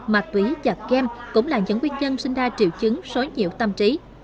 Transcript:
mạch túy giặt game cũng là những nguyên nhân sinh ra triệu chứng xối nhiễu tâm trí